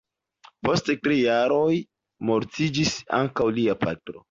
Post tri jaroj mortiĝis ankaŭ lia patro.